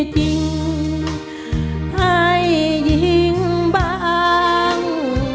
จริงให้ยิงบาง